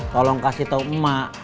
tolong kasih tau emak